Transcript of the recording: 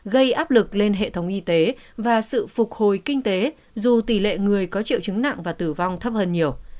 gây áp lực lên hệ thống y tế và sự phục hồi kinh tế dù tỷ lệ người có triệu chứng nặng và tử vong thấp hơn nhiều